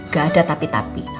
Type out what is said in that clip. gak ada tapi tapi